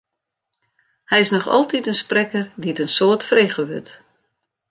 Hy is noch altyd in sprekker dy't in soad frege wurdt.